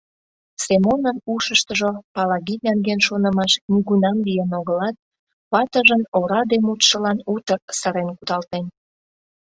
Семонын ушыштыжо Палаги нерген шонымаш нигунам лийын огылат, ватыжын ораде мутшылан утыр сырен кудалтен.